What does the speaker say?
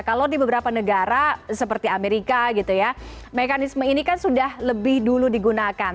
kalau di beberapa negara seperti amerika gitu ya mekanisme ini kan sudah lebih dulu digunakan